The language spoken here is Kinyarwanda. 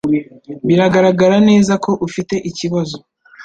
Biragaragara neza ko ufite ikibazo